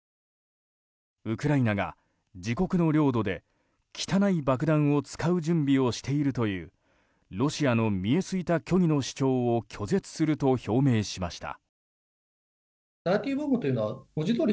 ウクライナが自国の領土で汚い爆弾を使う準備をしているというロシアの見え透いた虚偽の主張を拒絶すると表明しました。